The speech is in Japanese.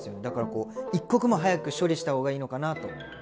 だからこう一刻も早く処理した方がいいのかなと。